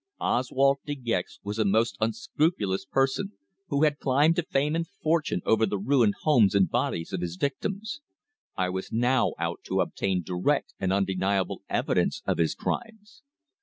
Oswald De Gex was a most unscrupulous person who had climbed to fame and fortune over the ruined homes and bodies of his victims. I was now out to obtain direct and undeniable evidence of his crimes.